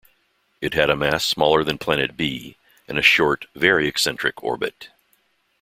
It had a mass smaller than planet b and a short, very eccentric orbit.